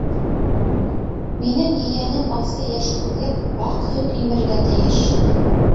Минең ейәнем асы йәш түгел, аҡ һөт имергә тейеш!